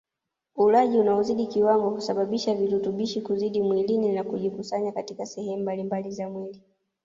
Ulaji unaozidi kiwango husababisha virutubishi kuzidi mwilini na kujikusanya katika sehemu mbalimbali za mwili